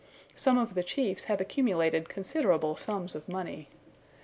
Some of the chiefs have accumulated considerable sums of money.